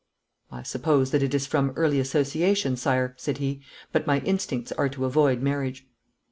'I suppose that it is from early association, Sire,' said he, 'but my instincts are to avoid marriage.'